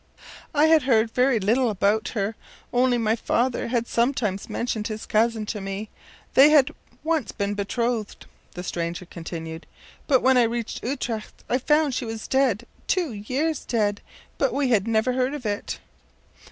” “I had heard very little about her, only my father had sometimes mentioned his cousin to me; they had once been betrothed,” the stranger continued. “But when I reached Utrecht I found she was dead two years dead; but we had never heard of it.